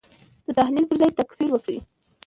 د تحلیل پر ځای تکفیر وکړي.